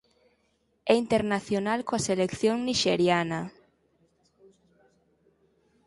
É internacional coa selección nixeriana.